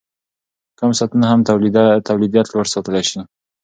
کم ساعتونه هم تولیدیت لوړ ساتلی شي.